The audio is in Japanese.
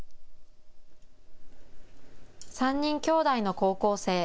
３人きょうだいの高校生。